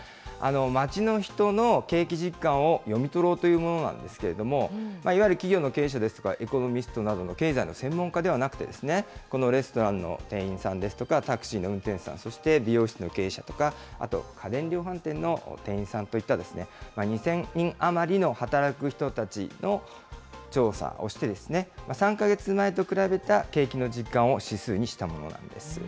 町の人の景気実感を読み取ろうというものなんですけれども、いわゆる企業の経営者ですとか、エコノミストなどの経済の専門家ではなくて、このレストランの店員さんですとか、タクシーの運転手さん、そして美容室の経営者とか、あと家電量販店の店員さんといった２０００人余りの働く人たちの調査をして、３か月前と比べた景気の実感を指数にしたものなんです。